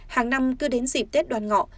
hàng năm cứ đến dịp tết đoàn ngọ